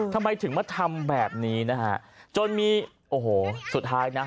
ทำไมถึงมาทำแบบนี้นะฮะจนมีโอ้โหสุดท้ายนะ